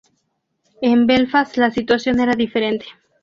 En Belfast la situación era diferente.